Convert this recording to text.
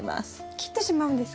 切ってしまうんですか？